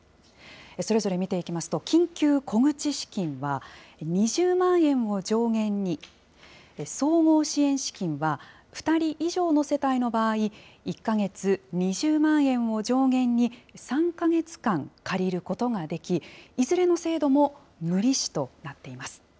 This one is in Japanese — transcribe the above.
それぞれ見ていきますと、緊急小口資金は、２０万円を上限に、総合支援資金は、２人以上の世帯の場合、１か月２０万円を上限に、３か月間借りることができ、いずれの制度も無利子となっています。